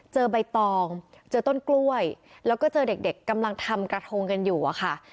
ใบตองเจอต้นกล้วยแล้วก็เจอเด็กกำลังทำกระทงกันอยู่อะค่ะ